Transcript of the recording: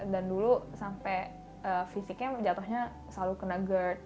dan dulu sampai fisiknya jatuhnya selalu kena gerd